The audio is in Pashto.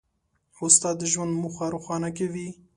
استاد د ژوند موخه روښانه کوي.